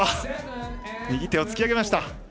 右手を突き上げました。